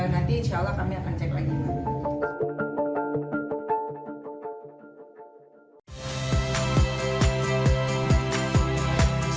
nanti insya allah kami akan cek lagi